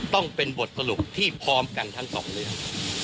ต้องเป็นบทสรุปที่พร้อมกันทั้งสองเรื่อง